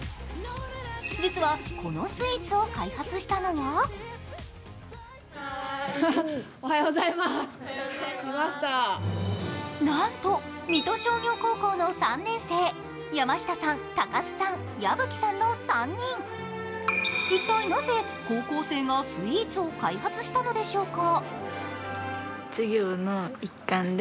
実はこのスイーツを開発したのはなんと、水戸商業高校の３年生山下さん、高須さん、矢吹さんの３人一体なぜ、高校生がスイーツを開発したのでしょうか。